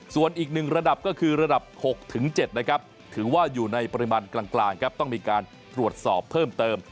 ส่วนอีก๑ระดับก็คือระดับ๖๗นะครับถือว่าอยู่ในปริมาณกลางครับต้องมีการตรวจสอบเพิ่มเติม